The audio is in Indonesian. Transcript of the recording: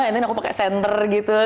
and then aku pakai center gitu